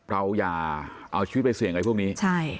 เราอย่าเอาชีวิตไปเสี่ยงไอ้พวกนี้